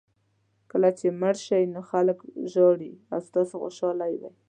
کله چې مړ شئ نور خلک ژاړي او تاسو خوشاله وئ.